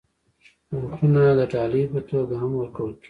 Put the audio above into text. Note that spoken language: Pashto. بوټونه د ډالۍ په توګه هم ورکول کېږي.